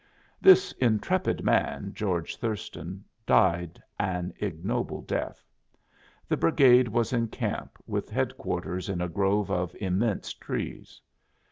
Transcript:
This intrepid man, George Thurston, died an ignoble death. The brigade was in camp, with headquarters in a grove of immense trees.